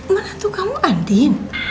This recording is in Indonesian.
menantu kamu andin